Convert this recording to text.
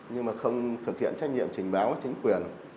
nhưng mà không thực hiện trách nhiệm trình báo chính quyền